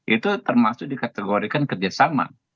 itu termasuk dikategorikan kerjasama